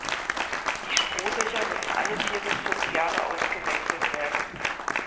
Die Strohdächer müssen alle vier bis fünf Jahre ausgewechselt werden.